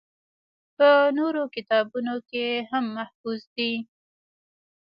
پۀ نورو کتابونو کښې هم محفوظ دي